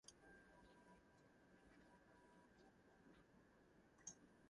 The Academy's athletic offerings focus on this type of experiential education.